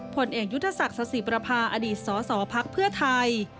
ผลเอกยุทธศักดิ์สสิประพาอดีตสสพักเพื่อไทย